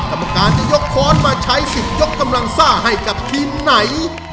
กรรมการจะยกค้อนมาใช้สิทธิ์ยกกำลังซ่าให้กับทีมไหน